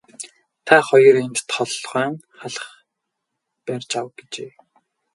Та хоёр энд толгойн халх барьж ав гэжээ.